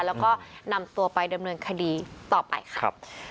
แล้วก็นำตัวไปดำเนินคดีต่อไปครับ